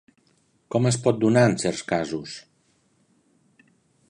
Com es pot donar en certs casos?